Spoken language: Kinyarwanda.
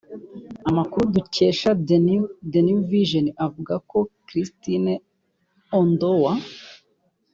Amakuru dukesha the New vision avuga ko Christine Ondoa